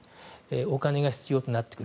お金が必要となってくる。